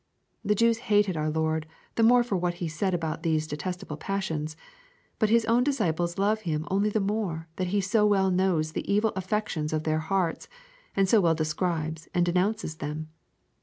The Jews hated our Lord the more for what He said about these detestable passions, but His own disciples love Him only the more that He so well knows the evil affections of their hearts, and so well describes and denounces them.